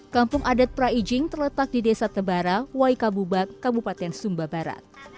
kampung adat praijing terletak di desa tebara waikabubak kabupaten sumba barat